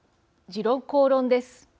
「時論公論」です。